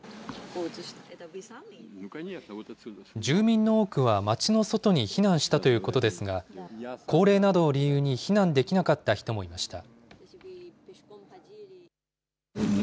住民の多くは街の外に避難したということですが、高齢などを理由に避難できなかった人もいました。